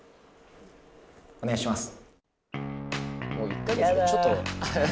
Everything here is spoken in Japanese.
お願いします。